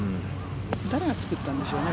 誰が作ったんでしょうね？